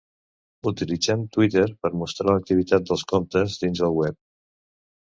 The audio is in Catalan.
Utilitzem Twitter per mostrar l'activitat dels comptes dins el web.